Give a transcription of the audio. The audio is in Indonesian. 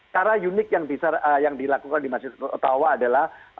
cara unik yang dilakukan di masjid ottawa adalah